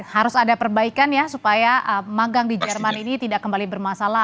harus ada perbaikan ya supaya magang di jerman ini tidak kembali bermasalah